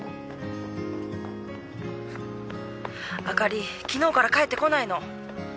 あかり昨日から帰ってこないの